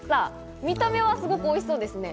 見た目はおいしそうですね。